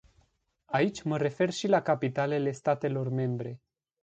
Aici mă refer și la capitalele statelor membre.